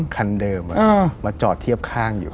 คันเดิมมาจอดเทียบข้างอยู่